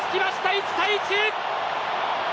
１対１！